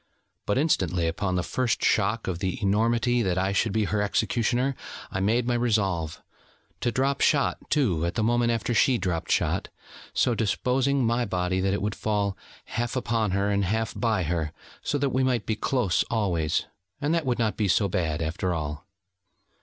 But instantly upon the first shock of the enormity that I should be her executioner, I made my resolve: to drop shot, too, at the moment after she dropped shot, so disposing my body, that it would fall half upon her, and half by her, so that we might be close always: and that would not be so bad, after all.